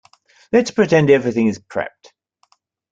Let's pretend everything is prepped.